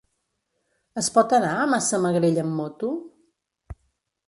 Es pot anar a Massamagrell amb moto?